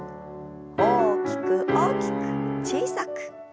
大きく大きく小さく。